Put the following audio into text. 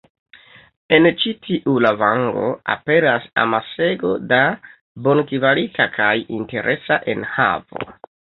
En ĉi tiu lavango aperas amasego da bonkvalita kaj interesa enhavo.